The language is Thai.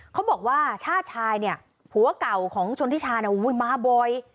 เขาบอกว่าชาชายผัวเก่าของชนทิชชาน่ะมาบ่อย